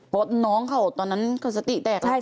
กดน้องเขาตอนนั้นก็สติแตก